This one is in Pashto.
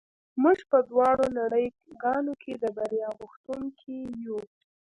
موږ په دواړو نړۍ ګانو کې د بریا غوښتونکي یو